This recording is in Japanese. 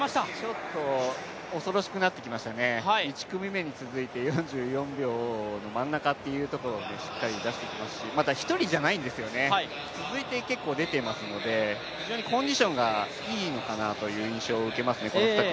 ちょっと恐ろしくなってきましたね、１組目に続いて４４秒の真ん中というところをしっかり出してきますしまた１人じゃないんですよね、続いて結構出てますので非常にコンディションがいいのかなという印象を受けます。